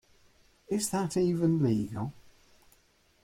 Is that even legal?